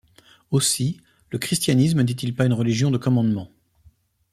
Aussi, le christianisme n'est-il pas une religion de commandements.